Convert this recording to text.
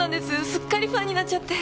すっかりファンになっちゃって。